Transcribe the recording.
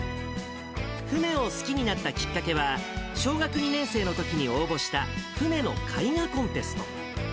船を好きになったきっかけは、小学２年生のときに応募した船の絵画コンテスト。